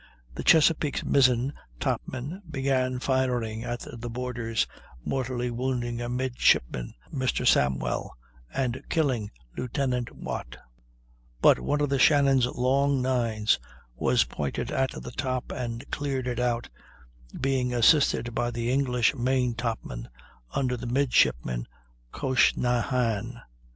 The Chesapeake's mizzen topmen began firing at the boarders, mortally wounding a midshipman, Mr. Samwell, and killing Lieutenant Watt; but one of the Shannon's long nines was pointed at the top and cleared it out, being assisted by the English main topmen, under Midshipman Coshnahan.